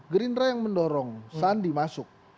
gerindra yang mendorong sandi masuk